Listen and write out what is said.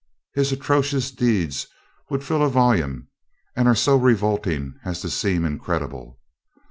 His atrocious deeds would fill a volume, and are so revolting as to seem incredible.